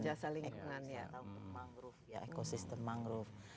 jasa lingkungan ya ekosistem mangrove